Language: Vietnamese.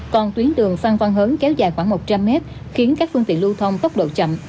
còn tuyến đường phan văn hớn kéo dài khoảng một trăm linh mét khiến các phương tiện lưu thông tốc độ chậm